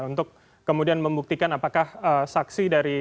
untuk kemudian membuktikan apakah saksi dari